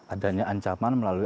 adanya ancaman melalui